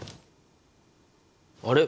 あれ？